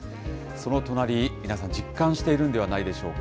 その隣、皆さん、実感しているんではないでしょうか。